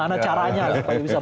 karena caranya lah